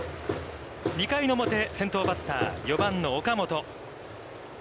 ２回表、先頭バッター４番の岡本。